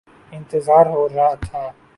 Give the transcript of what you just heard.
انتظار ہو رہا تھا